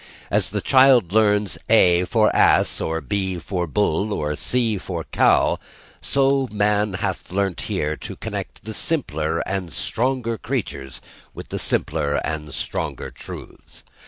As the child learns A for Ass or B for Bull or C for Cow, so man has learnt here to connect the simpler and stronger creatures with the simpler and stronger truths.